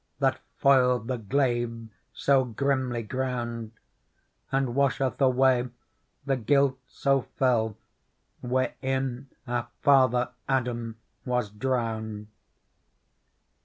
That foiled the glaive so grimly ground^ And washeth away the guilt so fell Wherein our father Adam was drowned.